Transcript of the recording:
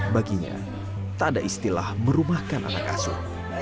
baginya tak ada istilah merumahkan anak asuh